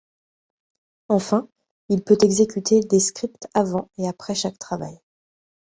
Enfin, il peut exécuter des scripts avant et après chaque travail.